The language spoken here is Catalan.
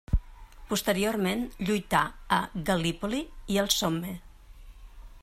Posteriorment lluità a Gal·lípoli i al Somme.